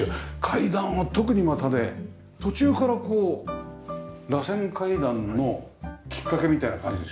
階段は特にまたね途中からこうらせん階段のきっかけみたいな感じですよね。